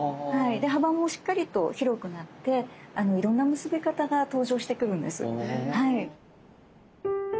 幅もしっかりと広くなっていろんな結び方が登場してくるんです。